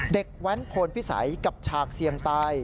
แว้นโพนพิสัยกับฉากเสี่ยงตาย